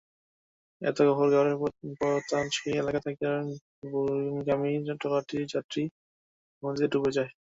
এতে গফরগাঁওয়ের পাতলাশী এলাকা থেকে বরমীগামী ট্রলারটি যাত্রী নিয়ে নদীতে ডুবে যায়।